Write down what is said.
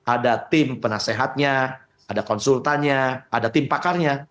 ada tim penasehatnya ada konsultannya ada tim pakarnya